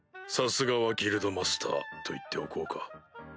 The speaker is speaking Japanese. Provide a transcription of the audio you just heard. さすがはギルドマスターと言っておこうか。